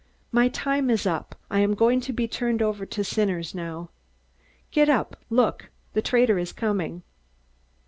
My time is up. I am going to be turned over to sinners now! Get up! Look, the traitor is coming!"